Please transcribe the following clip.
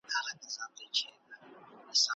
سياسي ګوندونو د خلګو آندونو ته درناوی پيل کړ.